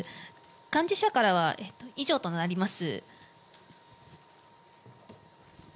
幹事社からは以上となります。